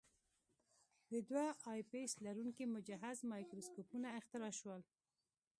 د دوه آی پیس لرونکي مجهز مایکروسکوپونه اختراع شول.